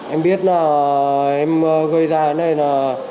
em biết là em gây ra nên là